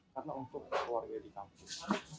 karena untuk keluarga di kampus